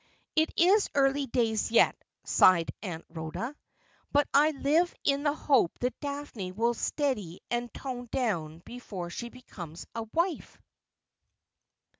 ' It is early days yet,' sighed Aunt Rhoda. ' But I live in the hope that Daphne will steady and tone down before she becomes a wife.'